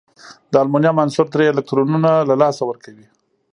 د المونیم عنصر درې الکترونونه له لاسه ورکوي.